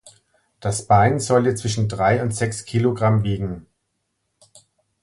Das Bein sollte zwischen drei und sechs Kilogramm wiegen.